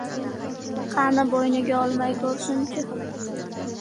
Qani, bo‘yniga olmay ko‘rsin- chi.